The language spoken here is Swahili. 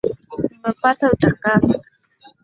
Nimepata utakaso